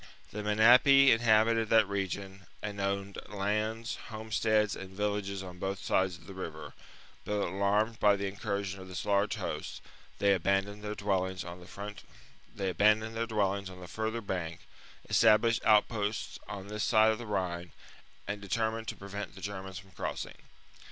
The Menapii inhabited that region, and owned lands, homesteads, and villages on both banks of the river ; but alarmed by the incursion of. this huge host, they abandoned their dwellings on the further bank, established outposts on this side of the Rhine, and deter mined to prevent the Germans from crossing.